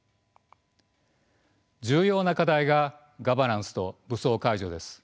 重要な課題がガバナンスと武装解除です。